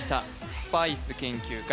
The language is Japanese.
スパイス研究家